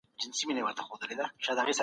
هغوی د چاپیریال په پاک ساتلو اخته دي.